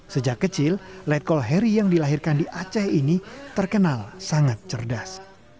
sejak kecil letkol heri yang dilahirkan di aceh ini terkenal sangat cerdas